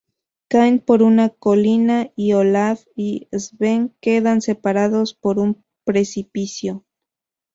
Caen por una colina y Olaf y Sven quedan separados por un precipicio.